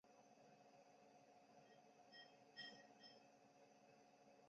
香港已解散的托派组织中国无产者协会存在时也与该组织关系密切。